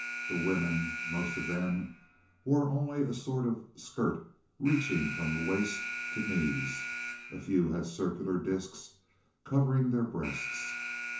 The women, most of them, wore only a sort of skirt, reaching from waist to knees; a few had circular discs covering their breasts.